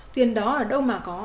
tiền đó ở đâu mà có